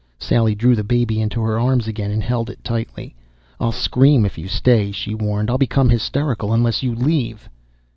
Sally drew the baby into her arms again and held it tightly. "I'll scream if you stay!" she warned. "I'll become hysterical unless you leave."